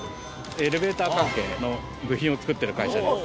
エレベーター関係の部品を作ってる会社です。